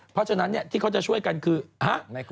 เพราะฉะนั้นที่เขาจะช่วยกันคือฮะ